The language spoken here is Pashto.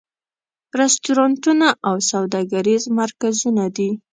رستورانتونه او سوداګریز مرکزونه دي.